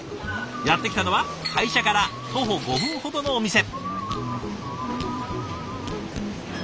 やって来たのは会社から徒歩５分ほどのお店。